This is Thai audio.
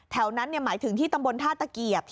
แถวนั้นหมายถึงที่ตำบลท่าตะเกียบ